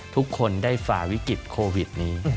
ทุกคนได้ฝ่าวิกฤตโควิดนี้